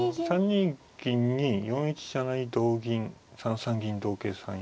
３二銀に４一飛車成同銀３三銀同桂３一角。